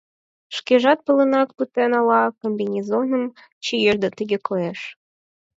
Шкежат палынак пытен, ала комбинезоным чиен да тыге коеш.